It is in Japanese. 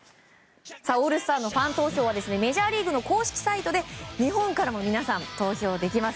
オールスターのファン投票はメジャーリーグの公式サイトで日本からも皆さん投票できます。